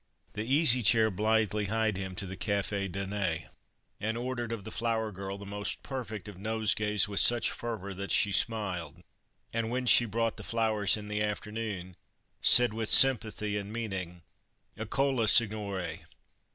The Easy Chair blithely hied him to the Cafe Done, and ordered of the flower girl the most perfect of nosegays, with such fervor that she smiled, and when she brought the flowers in the afternoon, said, with sympathy and meaning: "Eccola, signore!